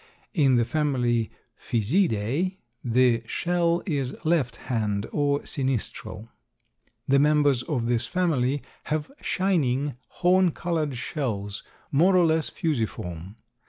In the family Physidae the shell is left hand or sinistral. The members of this family have shining, horn colored shells, more or less fusiform.